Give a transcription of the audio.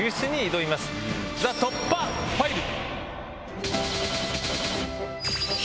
ＴＨＥ突破ファイル！